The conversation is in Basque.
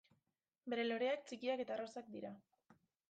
Bere loreak txikiak eta arrosak dira.